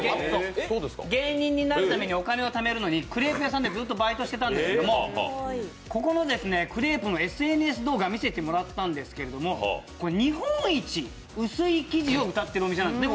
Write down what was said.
芸人になるためにお金をためるのにクレープ屋さんでずっとバイトをしてたんですけども、ここのクレープのＳＮＳ動画を見せてもらったんですけれども、日本一薄い生地をうたってるお店なんですね。